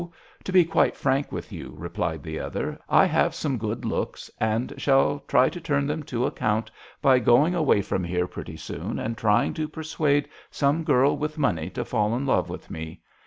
To be quite frank with you," replied the other, " I have some good looks and shall try to turn them to account by going away from here pretty soon and trying to persuade some girl with money to fall in love with me.